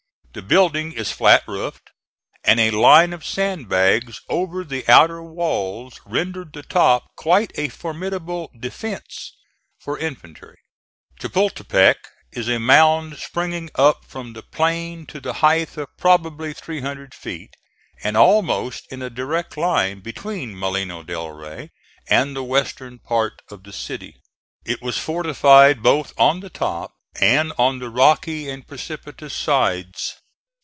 The building is flat roofed, and a line of sand bags over the outer walls rendered the top quite a formidable defence for infantry. Chapultepec is a mound springing up from the plain to the height of probably three hundred feet, and almost in a direct line between Molino del Rey and the western part of the city. It was fortified both on the top and on the rocky and precipitous sides.